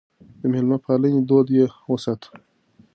د مېلمه پالنې دود يې وساته.